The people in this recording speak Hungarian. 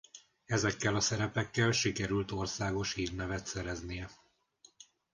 Ezekkel a szerepekkel sikerült országos hírnevet szereznie.